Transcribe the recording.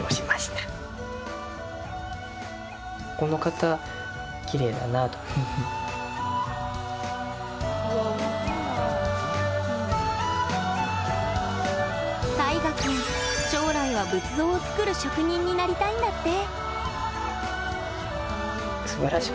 たいがくん将来は仏像を作る職人になりたいんだって。